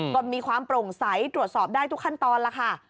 ก็มีความโปร่งใสตรวจสอบได้ทุกขั้นตอนแล้วค่ะ